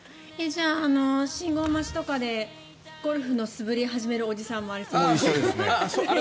じゃあ、信号待ちとかでゴルフの素振りを始めるおじさんも一緒ですか？